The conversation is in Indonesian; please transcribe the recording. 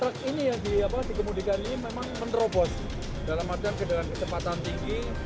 terus si truk yang dikemudikan ini memang menerobosi dalam adanya kecepatan tinggi